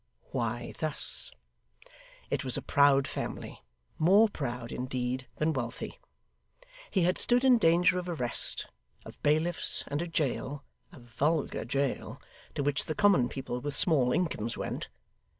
Why, thus. It was a proud family more proud, indeed, than wealthy. He had stood in danger of arrest; of bailiffs, and a jail a vulgar jail, to which the common people with small incomes went.